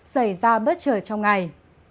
xảy ra bất chờ trong ngày